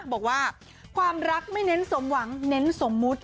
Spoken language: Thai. บอกว่าความรักไม่เน้นสมหวังเน้นสมมุติ